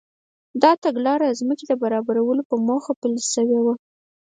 دا تګلاره د ځمکې برابرولو په موخه پلي شوې وه.